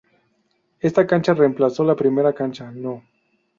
Esta cancha reemplazo la primera cancha No.